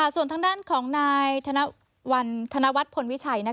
ส่วนทางด้านของนายธนวันธนวัฒนพลวิชัย